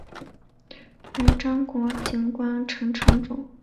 尾张国井关城城主。